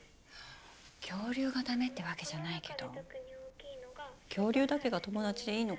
恐竜がダメってわけじゃないけど恐竜だけが友達でいいのかなって。